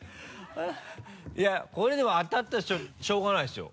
いやこれでも当たったらしょうがないですよ。